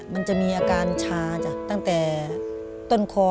มันจะมีอาการชาจ้ะตั้งแต่ต้นคอ